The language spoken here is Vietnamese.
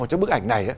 trong bức ảnh này